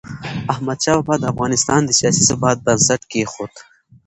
احمدشاه بابا د افغانستان د سیاسي ثبات بنسټ کېښود.